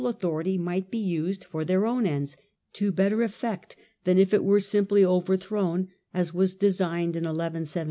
authority might be used for their own ends to better effect than if it were simply overthrown, as was designed in 1 173.